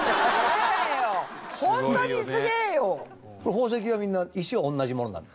宝石はみんな石は同じものなの？